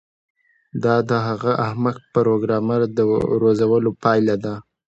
دا د هغه احمق پروګرامر د روزلو پایله ده